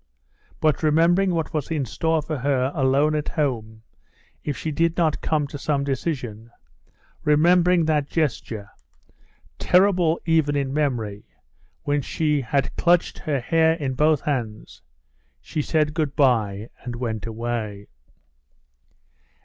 But remembering what was in store for her alone at home, if she did not come to some decision, remembering that gesture—terrible even in memory—when she had clutched her hair in both hands—she said good bye and went away.